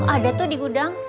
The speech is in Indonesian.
ada tuh di gudang